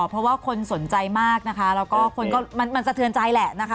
เพราะว่าคนสนใจมากนะคะแล้วก็คนก็มันสะเทือนใจแหละนะคะ